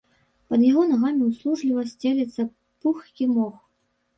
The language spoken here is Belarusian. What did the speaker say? Пад яго нагамі ўслужліва сцелецца пухкі мох.